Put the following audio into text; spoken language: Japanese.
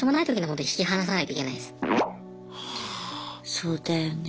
そうだよね。